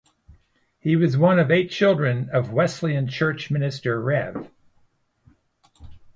He was one of eight children of Wesleyan Church minister Rev.